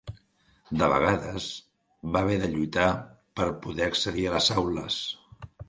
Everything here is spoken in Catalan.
De vegades, va haver de lluitar per poder accedir a les aules.